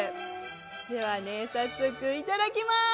では、早速いただきます。